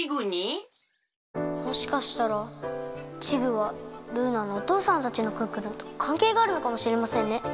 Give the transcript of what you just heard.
もしかしたらチグはルーナのおとうさんたちのクックルンとかんけいがあるのかもしれませんね。